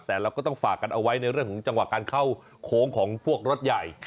แต่เราก็ต้องฝากกันเอาไว้ในเรื่องของจังหวะการเข้าโค้งของพวกรถใหญ่